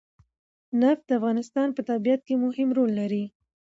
نفت د افغانستان په طبیعت کې مهم رول لري.